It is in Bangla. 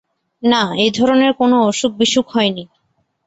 না, এ-ধরনের কোনো অসুখবিসুখ হয় নি।